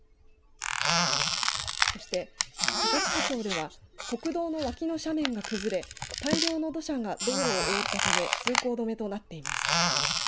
そして高千穂町では国道のわきの斜面が崩れ大量の土砂が道路を覆ったため通行止めとなっています。